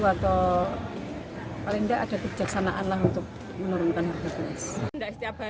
atau paling tidak ada kejaksanaan untuk menurunkan harga beras